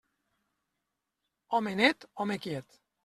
Home net, home quiet.